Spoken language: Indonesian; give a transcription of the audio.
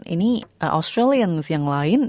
ini australians yang lain